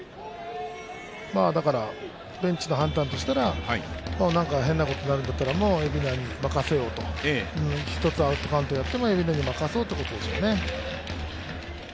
ベンチの判断としては変なことになるんだったらもう蝦名に任せようと、１つアウトカウントをやっても蝦名に任せようということでしょうね。